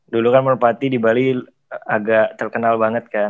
dulu kan merpati di bali agak terkenal banget kan